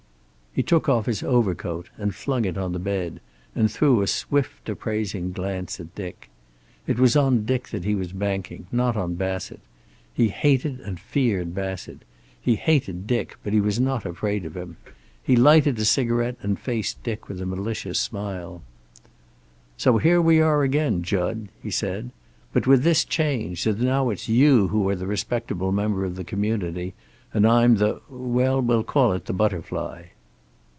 He took off his overcoat and flung it on the bed, and threw a swift, appraising glance at Dick. It was on Dick that he was banking, not on Bassett. He hated and feared Bassett. He hated Dick, but he was not afraid of him. He lighted a cigarette and faced Dick with a malicious smile. "So here we are, again, Jud!" he said. "But with this change, that now it's you who are the respectable member of the community, and I'm the well, we'll call it the butterfly."